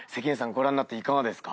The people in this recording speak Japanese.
ご覧になっていかがですか？